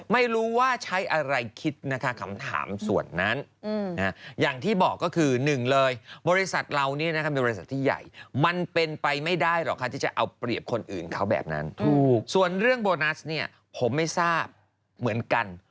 ผมไม่ทราบเหมือนกัน